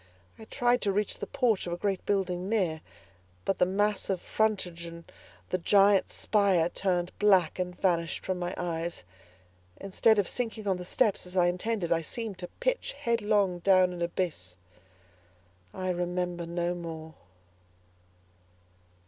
I tried to reach the porch of a great building near, but the mass of frontage and the giant spire turned black and vanished from my eyes. Instead of sinking on the steps as I intended, I seemed to pitch headlong down an abyss. I remember no more.